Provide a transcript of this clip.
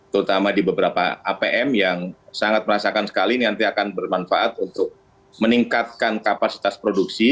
terutama di beberapa apm yang sangat merasakan sekali ini nanti akan bermanfaat untuk meningkatkan kapasitas produksi